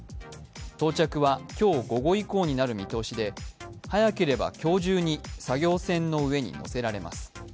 到着は今日午後以降になる見通しで早ければ今日中に作業船の上にのせられます。